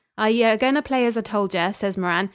'Are you a goin' to play as I told yer?' says Moran.